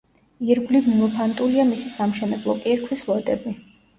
ირგვლივ მიმოფანტულია მისი სამშენებლო კირქვის ლოდები.